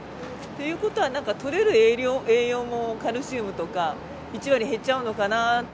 ということはなんか、とれる栄養もカルシウムとか、１割減っちゃうのかな。